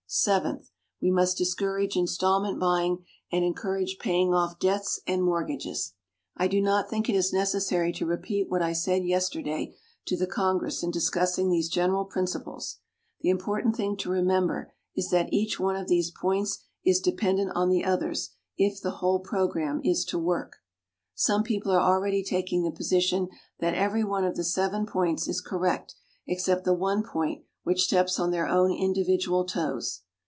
Seventh. We must discourage installment buying, and encourage paying off debts and mortgages. I do not think it is necessary to repeat what I said yesterday to the Congress in discussing these general principles. The important thing to remember is that each one of these points is dependent on the others if the whole program is to work. Some people are already taking the position that every one of the seven points is correct except the one point which steps on their own individual toes.